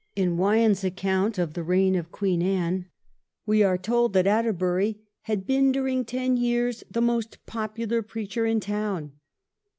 In Wyon's account of the reign of Queen Anne we are told that Atterbury 'had been during ten years the most popular preacher in town.'